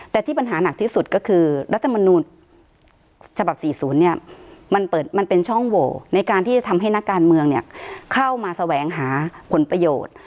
แต่ที่ปัญหาหนักที่สุดก็คือรัฐมนูลฉบับ๔๐เนี่ยมันเป็นช่องโหวในการที่จะทำให้นักการเมืองเข้ามาแสวงหาผลประโยชน์